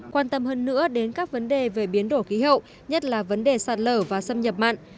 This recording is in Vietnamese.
quan tâm hơn nữa đến các vấn đề về biến đổi khí hậu nhất là vấn đề sạt lở và xâm nhập mặn